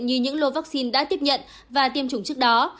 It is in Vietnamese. như những lô vaccine đã tiếp nhận và tiêm chủng trước đó